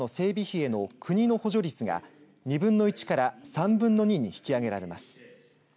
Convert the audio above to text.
費への国の補助率が２分の１から３分の２に引き上げられます。